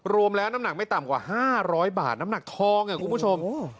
รวมแล้วน้ำหนักไม่ต่ำกว่า๕๐๐บาทน้ำหนักทองคุณผู้ชม